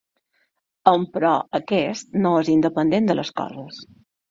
Emperò, aquest no és independent de les coses.